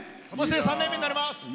ことしで３年目になります。